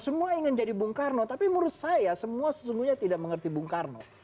semua ingin jadi bung karno tapi menurut saya semua sesungguhnya tidak mengerti bung karno